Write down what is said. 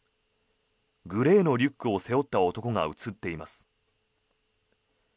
グレーのリュックを背負った男が映っています。